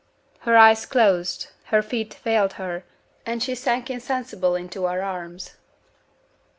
Her eyes closed her feet failed her and she sank insensible into our arms."